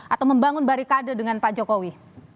atau membangun barikade dengan pak jokowi